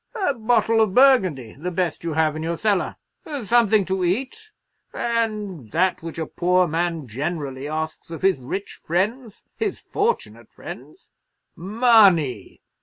"A bottle of Burgundy—the best you have in your cellar—something to eat, and—that which a poor man generally asks of his rich friends—his fortunate friends—MONEY!"